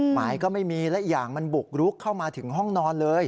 หมายก็ไม่มีและอีกอย่างมันบุกรุกเข้ามาถึงห้องนอนเลย